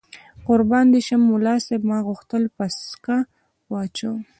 قربان دې شم، ملا صاحب ما غوښتل پسکه واچوم.